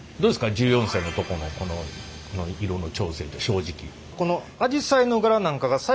１４世のとこのこの色の調整って正直。